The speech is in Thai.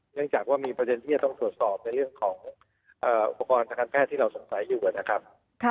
เนื่องจากว่ามีประเด็นที่จะต้องตรวจสอบในเรื่องของอุปกรณ์ทางการแพทย์ที่เราสงสัยอยู่นะครับ